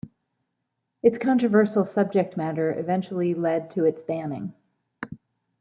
Its controversial subject matter eventually lead to its banning.